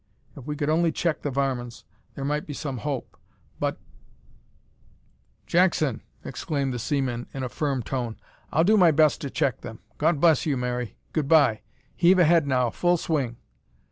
If we could only check the varmins, there might be some hope, but " "Jackson!" exclaimed the seaman, in a firm tone, "I'll do my best to check them. God bless you, Mary good bye. Heave ahead, now, full swing!"